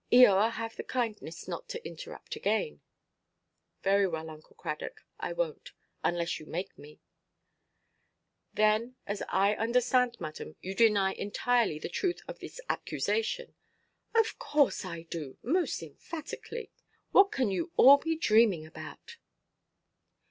"Eoa, have the kindness not to interrupt again." "Very well, Uncle Cradock; I wonʼt, unless you make me." "Then, as I understand, madam, you deny entirely the truth of this accusation?" "Of course I do, most emphatically. What can you all be dreaming about?"